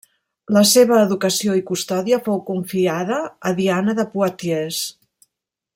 La seva educació i custòdia fou confiada a Diana de Poitiers.